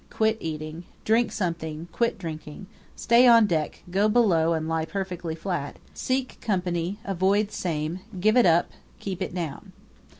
Quit eating. Drink something. Quit drinking. Stay on deck. Go below and lie perfectly flat. Seek company. Avoid same. Give it up. Keep it down.